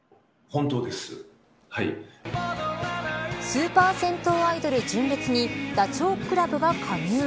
スーパー銭湯アイドル純烈にダチョウ倶楽部が加入。